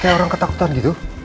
kayak orang ketakutan gitu